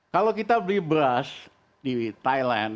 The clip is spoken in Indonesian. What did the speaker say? kalau kita beli beras di thailand